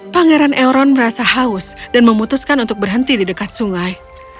pangeran eron merasa haus dan memutuskan untuk berhenti di dekat sungai